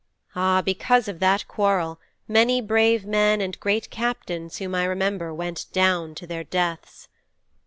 Ah, because of that quarrel many brave men and great captains whom I remember went down to their deaths!'